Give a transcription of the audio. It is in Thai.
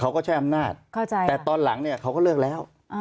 เขาก็ใช้อำนาจเข้าใจแต่ตอนหลังเนี่ยเขาก็เลือกแล้ว